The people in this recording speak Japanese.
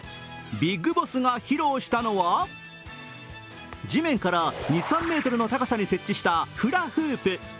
ビッグボスが披露したのは地面から２３ｍの高さに設置したフラフープ。